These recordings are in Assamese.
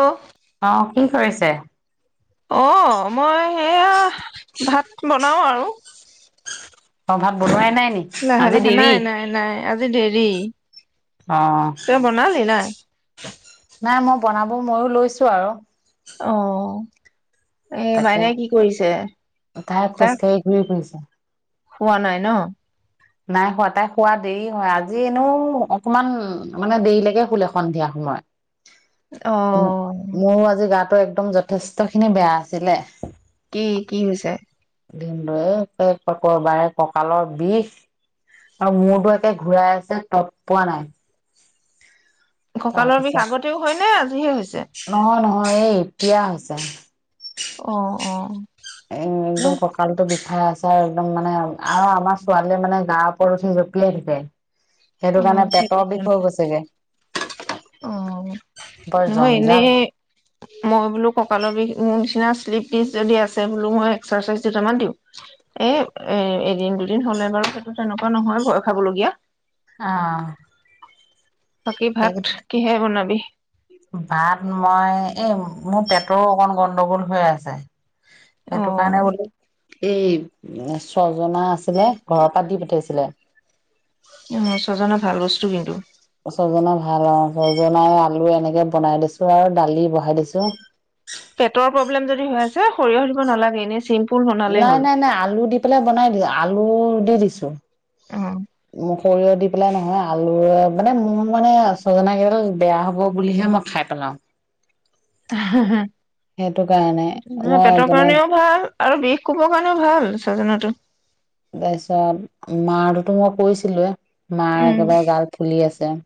অ'ফ [unintelligible] অ কি কৰিছে? অ' মই সেয়া ভাত বনাও আৰু। অ ভাত বনোৱাই নাই নি লাহে, আজি লাহে। দেৰি নাই, নাই, নাই, আজি দেৰি। অ তই বনালি, নাই? নাই, মই বনাব ময়ো লৈছো আৰু। অ' এই তাকে। মাইনাই কি কৰিছে? তাই খোজ তাক কাঢ়ি ঘূৰি ফুৰিছে। খোৱা নাই ন? নাই শুৱা। তাই শুৱা দেৰি হয়, আজি এনেও অকমান, মানে দেৰিলৈকে শুলে সন্ধিয়া সময়ত। অ' উ, মোৰো আজি গাত তই একদম যথেষ্ট খিনি বেয়া আছিলে। কি? কি হৈছে? ভিনদেওৱে একে কৰ, বাৰে কঁকালৰ বিষ! আৰু মূৰটো একে ঘূৰাই আছে, তত পোৱা নাই। কঁকালৰ বিষ তাৰপিছত আগতেও হয় নে, আজিহে হৈ নহয়, নহয়। এই, এতিয়া হৈছে। অ, অ'। ন এ-একদম কঁকালটো বিষ হা, ছাৰ একদম মানে, আৰু আমাৰ ছোৱালীয়ে মানে গাৰ ওপৰত উঠি জপিয়াই থাকে। সেইটো অ' কাৰণে সেইটো পেটৰ বিষ কাৰণে হৈ গৈছেগে। অ' বাৰ নহয় এনেই জঞ্জাল। মই বোলো কঁকালৰ বিষ, মোৰ নিচিনা শ্লিপ দিছ যদি আছে বোলো, মই এক্সাৰচাইজ দুটামান দিওঁ। এই এ-এদিন দুদিন হ'লে বাৰু সেইটো তেনেকুৱা নহয় ভয় খাৱলগীয়া। আ। বাকী ভাত সকেইটাতে, কিহে বনাবি ভাত মই এই মোৰ পেটৰ অকণ গণ্ডগোল হৈ আছে অ সেইটো কাৰণে বোলো এই ছজনা আছিলে ঘৰৰ পৰাা দি পঠাইছিলে। অ', সজনা ভাল বস্তু কিন্তু। [inaudible] ভাল অ', ছজনাই আলু এনেকে বনাই দিছোঁ আৰু দালি বহাই দিছোঁ। যে সৰিয়হৰিব নালাগে এনেই চিম নাই, নাই, নাই, আলু দি পেলাই বনাই দিলো আলু দি দিছো। অ সৰিয়হ দি পেলাই নহয় আলুৰে মানে মোৰ মানে ছজনা কেইডাল বেয়া হব বুলিহে মই খাই পেলাওঁ। কাৰণে নহয় মই পেটৰ বনাই কাৰণেও ভাল। আৰু বিষ কুপৰ কাৰণেটো ভাল ছজনাটো। তাৰপিছত মাৰ তোটো মই কৈছিলোয়ে। মাৰ উম একেবাৰে গাল ফুলি আছে। [inaudible]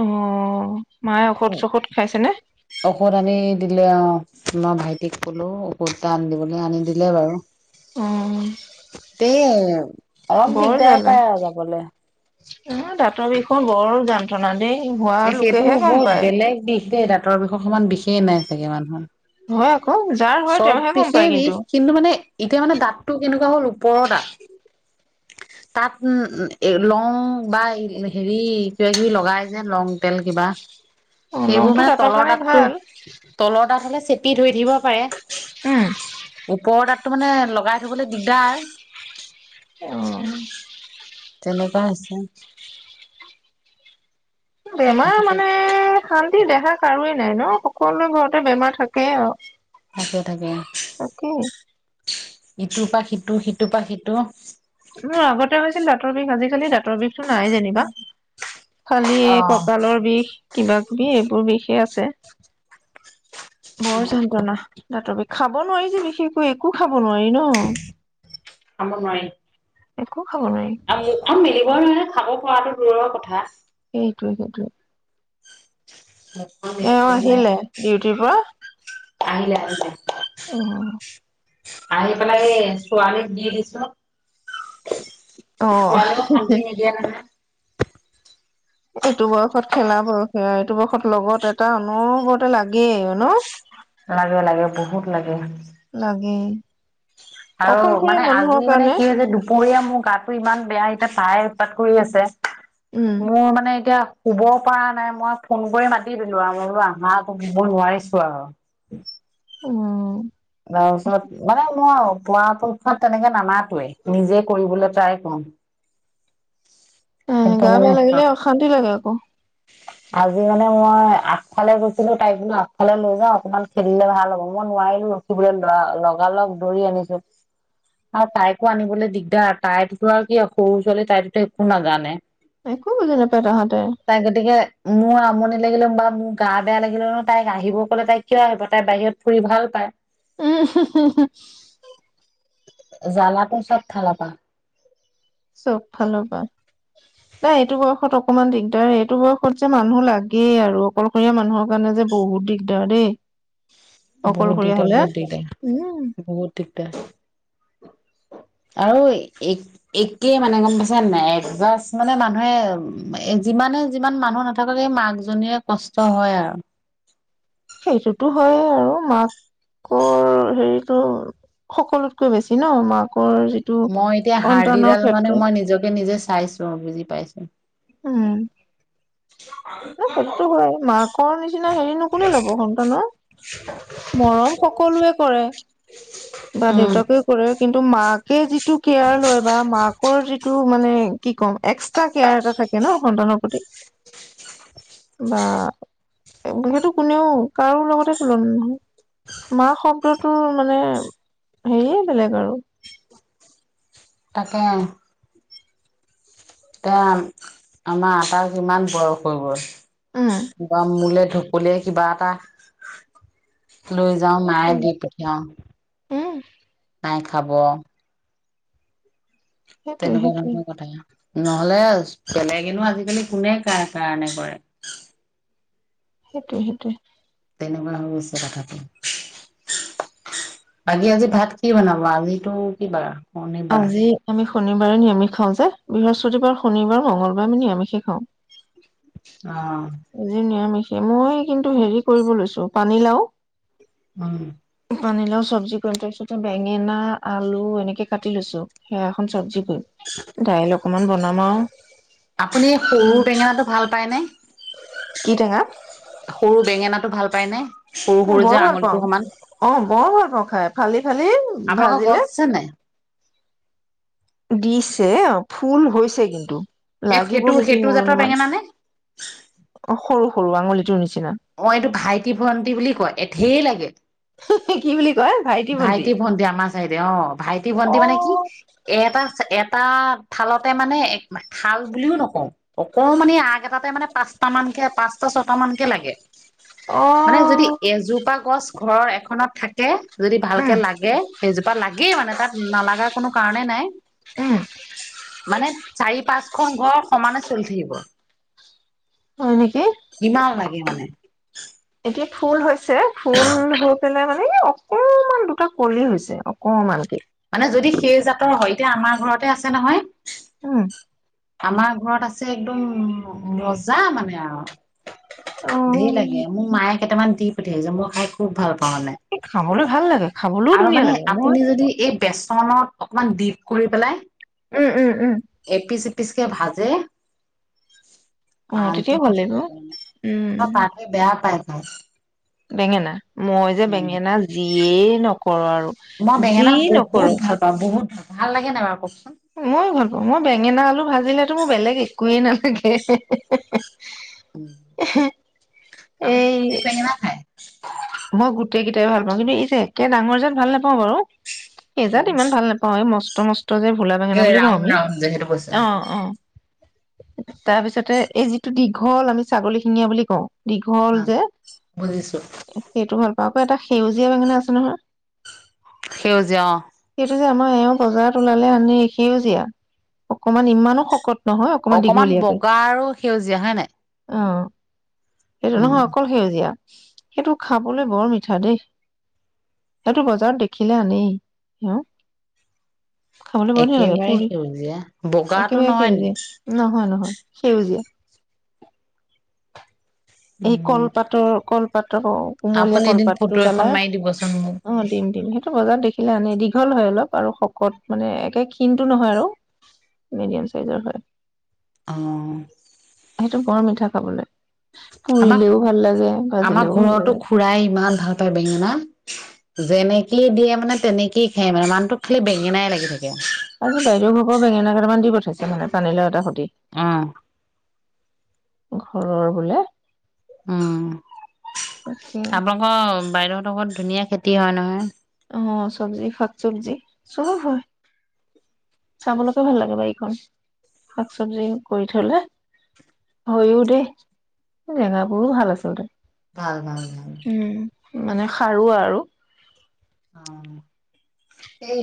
অ। মায়ে ঔষধ চষধ খাইছেনে। ঔষধ আনি দিলে অ, মই ভাইটিক ক'লো কুৰটা আনি দিবলৈ আনি দিলে বাৰু। অ দেই অলপ বৰ দিগদাৰ জ্বালা পায় যাবলে। অ, দাঁতৰ বিষয় বৰ যন্ৰণা দেই। হোৱা এ, সেইটো লোকেহে গম বহুত পায় বেলেগ বিষ দেই দাঁত দাঁতৰ বিষৰ সমমান বিশেষে নাই, চাগে মানুহৰ। হয় আকৌ যাৰ হয় চব তেওঁহে গম বিষে, পায় বিষ কিন্তু মানে এতিয়া মানে দাঁতটো কেনেকুৱা হ'ল ওপৰৰ দাঁত তাত লং বা হেৰি কিবা কিবি লগাই। যে লং তেল কিবা। অ সেইবোৰ লংটো মানে দাঁতৰ তলৰ কাৰণে দাঁতটো ভাল তলৰ দাঁত হ'লে প ওপৰত। তো মানে লগাই থবলৈ দিগদাৰ। অ তেনেকুৱা হৈছে। বেমাৰ থাকে মানে শান্তি দেখা কাৰো নাই, নাই সকলোৰে ঘৰতে বেমাৰ থাকেই আৰু। থাকে, থাকে। তাকেই ইটোৰ পৰা সিটো সিটোৰ পৰা সিটো। মোৰ আগতে হৈছিল দাঁতৰ বিষ আজিকালি দাঁতৰ বিষ নাই যেনিবা। খালি এই কঁকালৰ বিষ কিবা, কিবি সেই টো বিষ হে আছে। বৰ যন্ত্ৰণা দাঁতৰ বিষ খাব নোৱাৰি যে, বিশেষকৈ একো খাব নোৱাৰি। নোৱাৰি, ন। অ। খাব নোৱাৰি [inaudible] [inaudible] আৰু মুখখন মেলিব নোৱাৰি খাব খুৱাটো দূৰৰ কথা। সেইটোৱেই, সেইটোৱেই আহিলে ডিউটিৰ পৰা আহিলে, আহিলে অ আহি পেলাই এই ছোৱালী দি দিছো অ খোৱালেও শান্তি নিদিয়ে নহয়। এইটো বয়সত খেলা বয়সে। এইটো বয়সত লগত এটা অনবৰতে লাগেই ন লাগে, লাগে বহুত লাগে। লাগে আৰু মানে, আজি মানে কাৰণে কি হৈছে দুপৰীয়া মোৰ গাতটো ইমান বেয়া, এতিয়া তাই উৎপাত কৰি আছে। উম মোৰ মানে এতিয়া শুব পৰা নাই, মই ফোন কৰি মাতি দিলোঁ আৰু মই বোলো আহা আকৌ শুব নোৱাৰিছোঁ আৰু উম তাৰপিছত মানে মই পৰা পক্ষত তেনেকে নামাতোৱে, নিজে কৰিবলৈ ট্ৰাই কৰোঁ। উম গা বেয়া লাগিলে অশান্তি লাগে আকৌ আজি মানে মই আগফালে গৈছিলোঁ তাইক বোলো আগফালে লৈ যাওঁ অকমান খেলিলে ভাল হ'ব। মই নোৱাৰিলোঁ ৰখিবলৈ ল লগালগ দৌৰি আনিছো আৰু তাইকো আনিবলৈ দিগদাৰ। তাইতো আৰু কি সৰু ছোৱালী তাইতোতো একো নাজানে। একো বুজি নাপায় তাহাঁতে। তাই গতিকে, মোৰ আমনি লাগিলেও বা মোৰ গা বেয়া লাগিলেও ন তাই আহিব ক'লে তাই কিয় আহিব, তাই বাহিৰত ফুৰি ভাল পায়। উম হুম হুম হুম জ্বালাটো চব ফালৰ পা চব ফালৰ পা নাই, এইটো বয়সত অকমান দিগদাৰ। এইটো বয়সত যে মানুহ লাগেই আৰু অকলশৰীয়া মানুহৰ কাৰণে যে বহুত দিগদাৰ দেই বহুত অকলশৰীয়া দিগদাৰ, হলে বহুত উম, দিগদাৰ বহুত দিগদাৰ আৰু এক একেই মানে গম পাইছা নে নাই এডজাষ্ট। মানে মানুহে যিমানে যিমান মানুহ নাথাকক, এই মাক জনীৰে কষ্ট হয় আৰু সেইটোতো হয় আৰু মাকৰ হেৰিটো, সকলোতকৈ বেছি ন? মাক মই এতিয়া হাৰ্ডিডাল মানে, ক্ষেত্ৰত মই নিজকে নিজে চাইছোঁ। অ বুজি পাইছোঁ। ন সেইটোতো হয়। মাকৰ নিচিনা হেৰি নো কোনে ল'ব সন্তানৰ? মৰম সকলোৱে কৰে, বা উম দেউতাকেও কৰে, কিন্তু মাকে যি টো কেয়াৰ লয় বা মাকৰ যিটো মানে, কি কম এক্সট্ৰা কেয়াৰ এটা থাকে ন সন্তানৰ প্ৰতি বা সেইটো কোনেও কাৰো লগতে তুলনা নহয়। মা শব্দটোৰ মানে, হেৰিয়ে বেলেগ আৰু তাকে অ এ আম আমাৰ আটাৰ যিমান বয়স হৈ উম গ'ল বা মূলে ঢপলিয়াই কিবা এটা লৈ যাওঁ, মায়ে সেইটোৱে দি পঠিয়াওঁ। উম মায়ে খাব সেইটোৱে তেনেকুৱা সেইটোৱে ধৰণৰ কথাই নহলে বেলেগেনো আজিকালি কোনে কাৰণে কৰে সেইটোৱে সেইটোৱে তেনেকুৱা হৈ আছে কথাটো বাকী আজি ভাত কি বনাব আজিটো কিবা আজি আমি শনিবাৰে নিৰামিষ খাওঁ যে। বৃহস্পতিবাৰ, শনিবাৰ, মংগলবাৰ আমি নিৰামিষে খাওঁ। অ আজি নিৰামিষ। মই কিন্তু হেৰি কৰিব লৈছো পানীলাও উম। পানীলাও চব্জি কৰিম। তাৰপিছতে বেঙেনা, আলু এনেকে কাটি লৈছো, সেয়া এখন চব্জি [unintelligible] ডাইল অকমান বনাম আৰু। আপুনি সৰু উম বেঙেনাটো ভাল পায় নে? কি টেঙা? ঙেনাতো ভাল পায় নে? অ' বৰ ভাল পাওঁ। অ' বৰ ভাল পাওঁ খাই, ফালি ফালি আপোনালোকৰ গছ ভাজিলে। আছে নাই দিছে অ' ফুল হৈছে কিন্তু। এস লাগিব সেইটো - নেকি সেইটো মোৰ জাতৰ অলপমান বেঙেনা নে? অ সৰু সৰু আঙুলিটোৰ নিচ অ এইটো ভাইটি ভণ্টি বুলি কয়। এ ধেৰ লাগে [unintelligible] কি বুলি কয় ভন্টি ভাইটি ভণ্টি আমাৰ চাইডে অ'। ভাইটি ভণ্টি অ মানে কি, এটা চা - এত এটা থালতে মানে এক [unintelligible] থাল বুলিও নকওঁ। অকমানি আগ এটাতে মানে পাঁচটা মানকে পাঁচটা, ছটা মানকে লাগে। অ মানে যদি এজোপা গছ ঘৰৰ এখনত থাকে যদি ভালকে উম লাগে সেইজো পাত লাগেই মানে তাত নালাগা কোনো কাৰণে নাই। উম। মানে চাৰি পাঁচখন ঘৰ সমানে চলি থাকিব। হয় নেকি ইমান লাগে মানে। এই ফুল হৈছে, ফুল হৈ পেলাই মানে ই অকমান দুটা কলি হৈছে অকমান কে। মানে যদি সেই জাতৰ হয়, এতিয়া আমাৰ ঘৰতে আছে নহয়। উম। আমাৰ [unintelligible] একদম ৰজা মানে আৰু। ধেৰ লাগে। অ', মোৰ মায়ে কেটামান দি পঠিয়াইছে মই খাই খুব ভাল পা এই খাবলৈ ভাল লাগে খাবলৈও আৰু ধুনীয়া মানে লাগে, মই আপুনি যদি [unintelligible] অকমান দিপ কৰি পেলাই উম, উম, উম। পিচকে ভাজে। অ তেতিয়াও ভাল [unintelligible] লাগিব উম অ, পাৰ্থই বেয়া পায় খাই। বেঙেনা, মই যে উম বেঙেনা যি [unintelligible] মই বেঙেনা নকৰ বহুত ভাল পাওঁ বহুত ভাল ভাল লাগে নাই বাৰু ক ময়ো ভাল পাওঁ, মই বেঙেনা আলু ভাজিলেতো মোৰ বেলেগ একোৱেই নালাগে [unintelligible] উম, আপুনি এই কোনটো বেঙেনা খায়। মই গোটেই কেইটাই ভাল পাওঁ কিন্তু এই যে একে ডাঙৰ যেন ভাল নাপাওঁ বাৰু। এইজাত ইমান ভাল নাপাওঁ এই মস [unintelligible] ভোলা বেঙেনা এই বুলি কওঁ ৰাউণ্ড আমি। ৰাউণ্ড যে সেইটো কৈছে অ, অ। তাৰপিছতে এই যিটো দীঘল আমি ছাগলী শিঙীয়া বুলি কওঁ। দীঘল অ, যে বুজিছো। সেইটো ভাল আকৌ এটা সেউজীয়া বেঙেনা আছে নহয়। সেউজীয়া অ। এই যে আমাৰ এওঁ বজাৰত ওলালে আনে এ সেউজীয়া, অকমান ইমানো শকত নহয় অকমান দীঘলীয়াকে বগা আৰু সেউজীয়া হয় নাই। অ সেইটো উম নহয় অকল সেউজীয়া। [unintelligible] সেইটো খাবলৈ বৰ মিঠা দেই। সেইটো বজাৰত দেখিলে আনেই, ন। খাবলৈ বৰ ধুনীয়া লাগে একেবাৰে পুৰি। সেউজীয়া বগাটো একেবাৰে নহয় নি সেউজীয়া, নহয় নহয় সেউজীয়া। [unintelligible] এই উম কলপাতৰ কল [unintelligible] কুমলীয়া আপুনি এদিন কলপাততো ফটো এখন পেলাই। মাৰি দিবচোন মোক। অ, দিম দিম সেইটো বজাৰত দে [unintelligible] দীঘল হয় অলপ আৰু অ। সেইটো বৰ মিঠা খাবলৈ। আমাক পুৰিলেও ভাল লাগে আমাৰ ভাজিলেও ভাল ঘৰতো লাগে খুৰাই ইমান ভাল পায় বেঙেনা। যেনেকে দিয়ে মানে তেনেকেই খায় মানে মানুহটোক খালি বেঙেনাই লাগি থাকে। আজি বাইদেউ বেঙেনা কেইামান দি পঠাইছে মানে পানী লাউ এটা- আহ। ঘৰৰ বোলে। উম'। তাকে আপোনালোকৰ বাইদেউ লগত ধুনীয়া খেতি হয় নহয়। অ', চব্জি শাক চব্জি চব হয়। চাবলৈকে ভাল লাগে বাৰীখন শাক চব্জি কৰি থ'লে, হৈও দেই জেঙাবোৰো ভাল আচলতে। ভাল ভাল। ভাল উম, মানে সাৰুৱা আৰু। অ', এই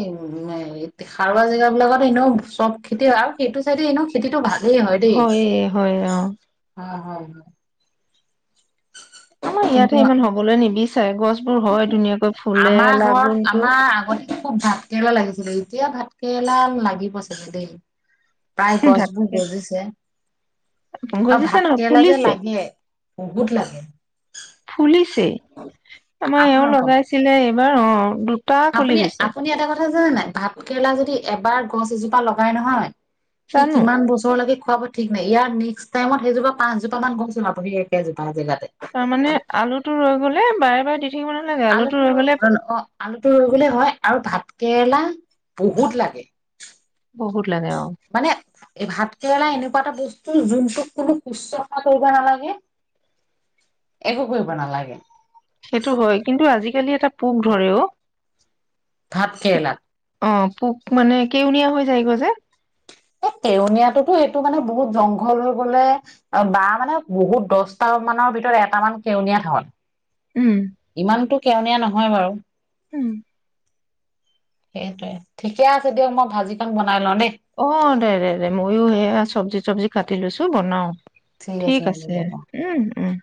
সাৰুৱা জেগা বিলাকত এনেও চব খেতি আৰু সেইটো চাইডে এনেও খেতিতটো ভাল। হয়, হয়, অ'। উম। আমাৰ ইয়াতহে ইমান হ'বলৈ নিবিচ আমাৰ ঘৰত লাগুনটো আমাৰ আগতে খুব ভাত কেৰেলা লাগিছিলে এতিয়া ভাত কেৰেলা লাগিব চাগে দেই। প্ৰায় গছবোৰ গজিছে আৰু গজিছে নহয় ভাতকেৰেলা যে ফুলিছে লাগে বহুত লাগে। ফুলিছে আমাৰ এও আপোনালোকক লগাইছিলে। এইবাৰ অ', দু আপুনি, আপুনি এটা কথা নাই ভাত কেৰেলা যদি এবাৰ গছ এজোপা লগাই নহয় সি জানো কিমান বছৰলৈকে খুৱাব ঠিক নাই ইয়াৰ নেক্সট টাইমতেইজোপা পাঁচ জোপা মান গছ ওলাব একেজেগাতে। তাৰমানে, আলুটো ৰৈ গ'লে বাৰে বাৰে দি থাকিব নালাগে আলুটো ৰৈ, গ'লে অ, অ, আলুটো ৰৈ গ'লে হয় আৰু ভাতকেৰেলা বহুত লাগে। বহুত লাগে আৰু। মানে এই ভাতকেৰেলা এনেকুৱা এটা বস্তু, যোনটোক কোনো শুশ্ৰূষা কৰিব নালাগে, একো কৰিব নালাগে। সেইটো হয়, কিন্তু আজিকালি এটা পোক ধৰে অ' ভাতকেৰেলাত অ' পোক মানে, কেউনীয়া হৈ যায়গৈ যে। এই কেউনীয়াটোতো, এইটো মানে বহুত জংঘল হৈ গ'লে বা মানে বহুত, দছটা মানৰ ভিতৰত এটামান কেউনীয়া হয়। উম। ইমানোটো কেউনীয়া নহয় বাৰু। উম। সেইটোয়ে। ঠিকে আছে দিয়ক, মই ভাঁজিকন বনা অ', দে, দে, দে, মইয়ো সেয়া চব্জি-টব্জি কাট টি লৈছোঁ, বনাওঁ। ঠিক হ'ব আছে, দিয়ক অ উম, উম।